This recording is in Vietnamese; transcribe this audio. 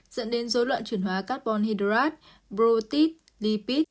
dẫn đến dấu loạn chuyển hóa carbon hydrate protein lipid